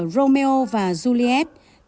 romeo và juliet